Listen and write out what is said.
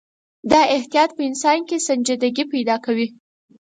دا احتیاط په انسان کې سنجیدګي پیدا کوي.